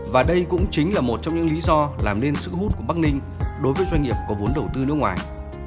và đây cũng chính là một trong những lý do làm nên sự hút của bắc ninh đối với doanh nghiệp có vốn đầu tư nước ngoài